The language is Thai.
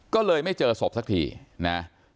ก็เลยไม่เจอศพสักทีนะ